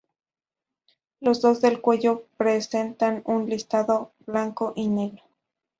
Los lados del cuello presentan un listado blanco y negro.